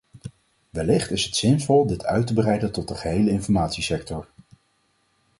Wellicht is het zinvol dit uit te breiden tot de gehele informatiesector.